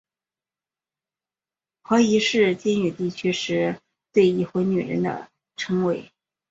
婆姨是晋语地区对已婚女人的称谓。